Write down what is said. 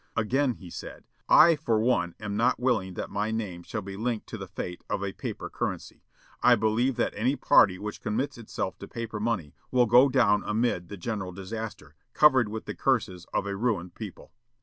Again he said: "I for one am not willing that my name shall be linked to the fate of a paper currency. I believe that any party which commits itself to paper money will go down amid the general disaster, covered with the curses of a ruined people.